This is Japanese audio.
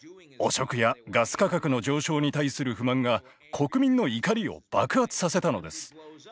汚職やガス価格の上昇に対する不満が国民の怒りを爆発させたのです。